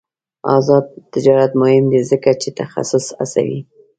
آزاد تجارت مهم دی ځکه چې تخصص هڅوي.